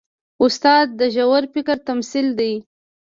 استاد د ژور فکر تمثیل دی.